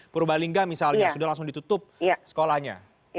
purbalingga misalnya sudah langsung ditutup sekolahnya